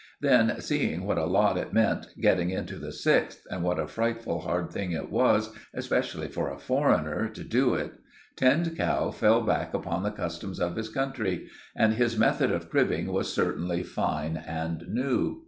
Then, seeing what a lot it meant getting into the sixth, and what a frightful hard thing it was, especially for a foreigner, to do it, Tinned Cow fell back upon the customs of his country; and his methods of cribbing were certainly fine and new.